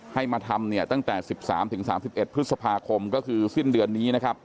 ให้มาทำเนี่ยตั้งแต่๑๓๓๑พฤษภาคมก็คือสิ้นเดือนนี้นะครับ